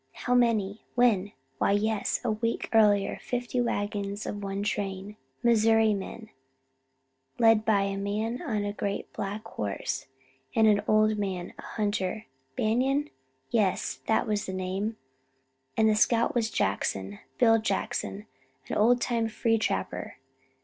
How many? When? Why, yes, a week earlier fifty wagons of one train, Missouri men, led by a man on a great black horse and an old man, a hunter. Banion? Yes, that was the name, and the scout was Jackson Bill Jackson, an old time free trapper.